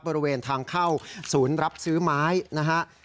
บริเวณทางเข้าศูนย์รับซื้อไม้นะฮะ